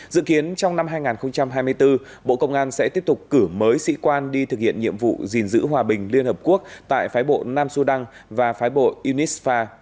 dự kiến trong năm hai nghìn hai mươi bốn bộ công an sẽ tiếp tục cử mới sĩ quan đi thực hiện nhiệm vụ gìn giữ hòa bình liên hợp quốc tại phái bộ nam sudan và phái bộ unisfa